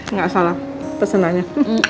nggak salah pesenannya